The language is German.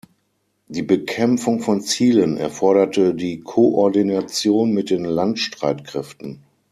Die Bekämpfung von Zielen erforderte die Koordination mit den Landstreitkräften.